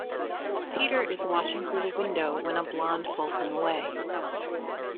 Peter is watching through the window when a blonde pulls him away.